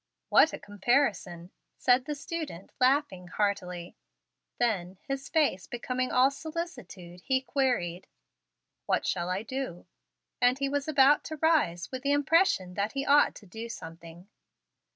"What a comparison!" said the student, laughing heartily. Then, his face becoming all solicitude, he queried, "What shall I do?" and he was about to rise with the impression that he ought to do something.